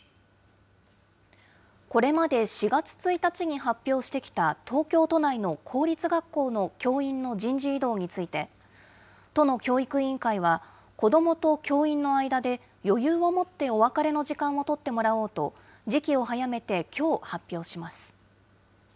これまで４月１日に発表してきた東京都内の公立学校の教員の人事異動について、都の教育委員会は、子どもと教員の間で、余裕をもってお別れの時間を取ってもらおうと時期を早めて、きょう発表します。